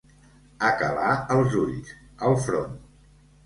Acalar els ulls, el front.